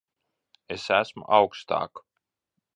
Es esmu augstāk.